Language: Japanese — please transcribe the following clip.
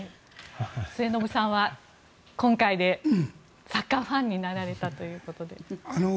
末延さんは今回でサッカーファンになられたということで。